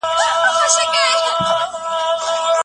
هیوادونه د فساد په مخنیوي کي له یو بل سره مرسته کوي.